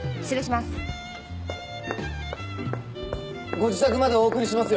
ご自宅までお送りしますよ。